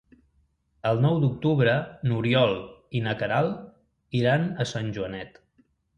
El nou d'octubre n'Oriol i na Queralt iran a Sant Joanet.